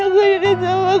gue udah ditawar